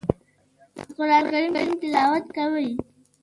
د قران کریم تلاوت کوي.